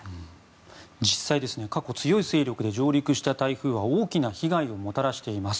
実際、過去強い勢力で上陸した台風は大きな被害をもたらしています。